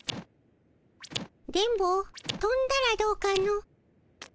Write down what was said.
電ボ飛んだらどうかの？